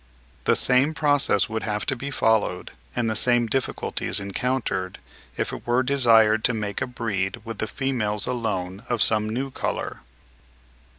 The same process would have to be followed, and the same difficulties encountered, if it were desired to make a breed with the females alone of some new colour.